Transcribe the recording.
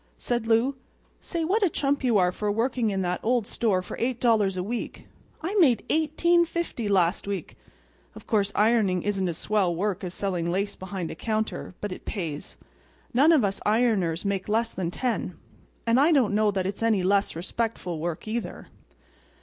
said Lou. "Say, what a chump you are for working in that old store for $8 a week! I made $18.50 last week. Of course ironing ain't as swell work as selling lace behind a counter, but it pays. None of us ironers make less than $10. And I don't know that it's any less respectful work, either."